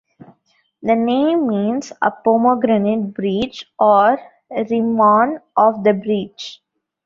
The name means "a pomegranate breach", or "Rimmon of the breach".